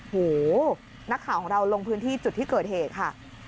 หูนักข่าวของเราลงพื้นที่จุดที่เกิดเหตุค่ะ